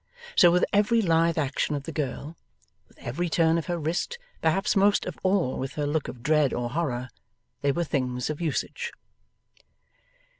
So with every lithe action of the girl, with every turn of her wrist, perhaps most of all with her look of dread or horror; they were things of usage.